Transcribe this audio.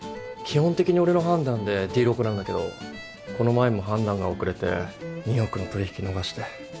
基本的に俺の判断でディールを行なうんだけどこの前も判断が遅れて２億の取り引き逃して。